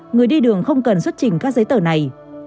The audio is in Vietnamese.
người đi đường không cần xuất trình các giấy tờ này